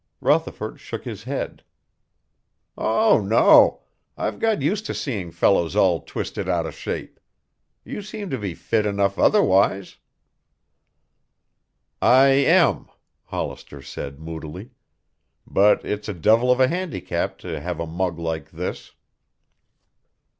Rutherford shook his head. "Oh, no. I've got used to seeing fellows all twisted out of shape. You seem to be fit enough otherwise." "I am," Hollister said moodily. "But it's a devil of a handicap to have a mug like this."